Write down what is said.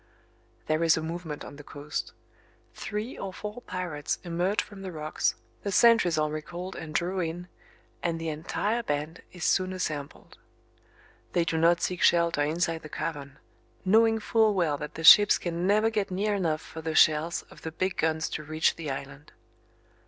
There is a movement on the coast. Three or four pirates emerge from the rocks, the sentries are recalled and draw in, and the entire band is soon assembled. They do not seek shelter inside the cavern, knowing full well that the ships can never get near enough for the shells of the big guns to reach, the island.